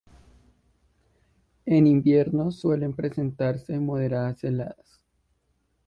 En invierno suelen presentarse moderadas heladas.